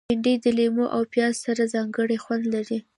بېنډۍ د لیمو او پیاز سره ځانګړی خوند لري